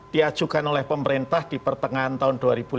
diajukan oleh pemerintah di pertengahan tahun dua ribu delapan belas